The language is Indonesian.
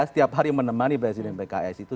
setiap hari menemani presiden pks itu